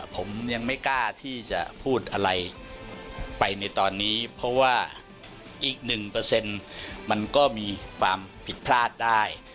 ผมยังไม่กล้าที่จะพูดอะไรไปในตอนนี้เพราะว่าอีก๑มันก็มีความผิดพลาดได้